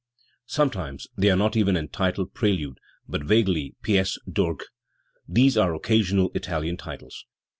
Sometimes they are not even entitled "prelude", but vaguely "pi&ce d'orgue", There are occasional Italian titles*.